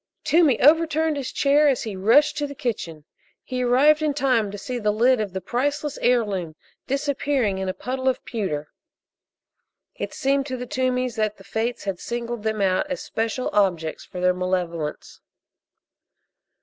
Toomey overturned his chair as he rushed to the kitchen. He arrived in time to see the lid of the priceless heirloom disappearing in a puddle of pewter. It seemed to the Toomeys that the Fates had singled them out as special objects for their malevolence.